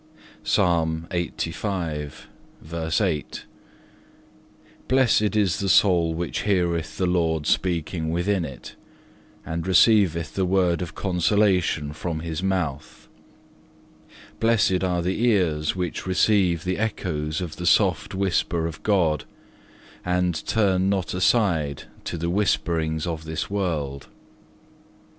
(1) Blessed is the soul which heareth the Lord speaking within it, and receiveth the word of consolation from His mouth. Blessed are the ears which receive the echoes of the soft whisper of God, and turn not aside to the whisperings of this world.